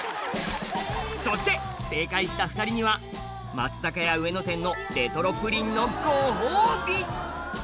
そして正解した２人には松坂屋上野店のレトロプリンのご褒美！